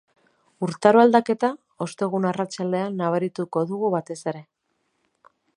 Urtaro aldaketa ostegun arratsaldean nabarituko dugu batez ere.